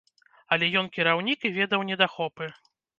Але ён кіраўнік і ведаў недахопы.